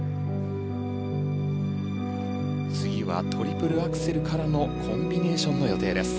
次はトリプルアクセルからのコンビネーションの予定です。